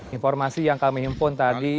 informasi yang kami himpun tadi